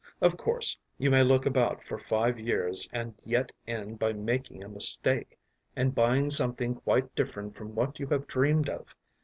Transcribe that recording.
Of course, you may look about for five years and yet end by making a mistake, and buying something quite different from what you have dreamed of.